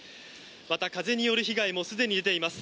また風による被害もすでに出ています。